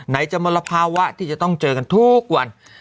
จะมลภาวะที่จะต้องเจอกันทุกวัน